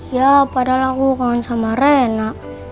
ya padahal aku kangen sama rena